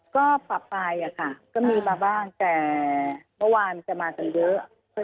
ก็ปรับไปอะค่ะก็มีมาบ้างแต่เมื่อวานจะมากันเยอะ